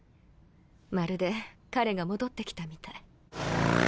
まるで彼が戻って来たみたい。